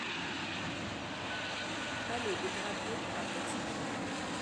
Allée des Crabiers à Petit-Bourg